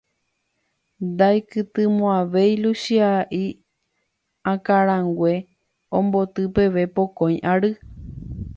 Ndaikytĩmo'ãvéi Luchia'i akãrague omboty peve pokõi ary.